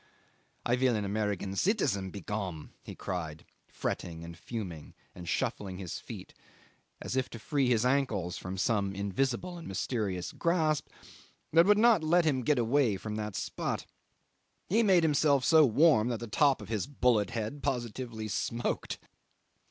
"I vill an Amerigan citizen begome," he cried, fretting and fuming and shuffling his feet as if to free his ankles from some invisible and mysterious grasp that would not let him get away from that spot. He made himself so warm that the top of his bullet head positively smoked.